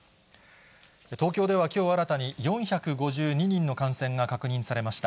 東京ではきょう新たに４５２人の感染が確認されました。